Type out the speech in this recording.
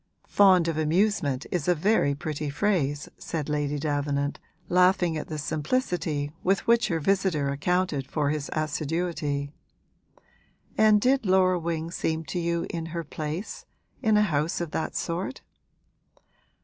'Fond of amusement is a very pretty phrase!' said Lady Davenant, laughing at the simplicity with which her visitor accounted for his assiduity. 'And did Laura Wing seem to you in her place in a house of that sort?'